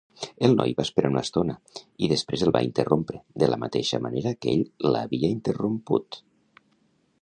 El noi va esperar una estona i després el va interrompre, de la mateixa manera que ell l'havia interromput.